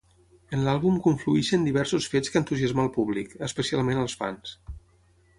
En l'àlbum conflueixen diversos fets que entusiasmar al públic, especialment als fans.